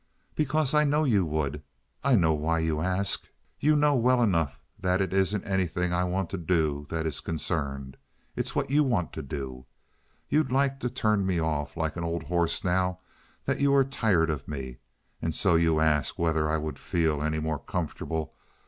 "Because I know you would. I know why you ask. You know well enough that it isn't anything I want to do that is concerned. It's what you want to do. You'd like to turn me off like an old horse now that you are tired of me, and so you ask whether I would feel any more comfortable.